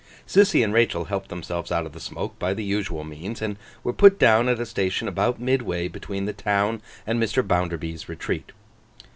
Sissy and Rachael helped themselves out of the smoke by the usual means, and were put down at a station about midway between the town and Mr. Bounderby's retreat.